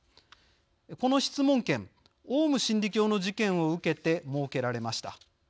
この質問権オウム真理教の事件を受けて設けられました。